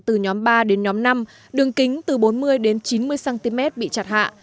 từ nhóm ba đến nhóm năm đường kính từ bốn mươi đến chín mươi cm bị chặt hạ